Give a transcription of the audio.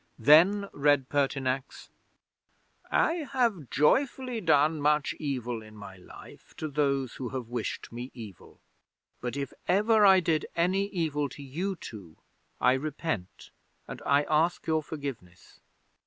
Then read Pertinax: '"_I have joyfully done much evil in my life to those who have wished me evil, but if ever I did any evil to you two I repent, and I ask your forgiveness.